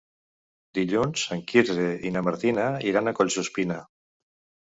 Dilluns en Quirze i na Martina iran a Collsuspina.